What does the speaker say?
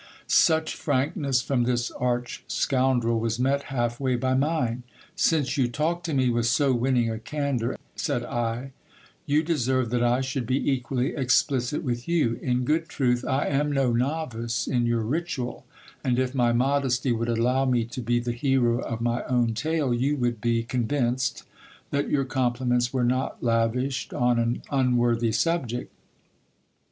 Such frankness from this arch scoundrel was met half way by mine. Since you talk to me with so winning a candour, said I, you deserve that I should be equally explicit with you. In good truth I am no novice in your ritual ; and if my modesty would allow me to be the hero of my own tale, you would be con vinced that your compliments were not lavished on an unworthy subject.